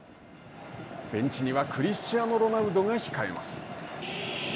ベンチにはクリスチアーノ・ロナウドが控えます。